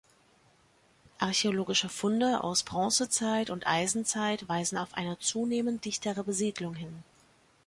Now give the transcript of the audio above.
Archäologische Funde aus Bronzezeit und Eisenzeit weisen auf eine zunehmend dichtere Besiedlung hin.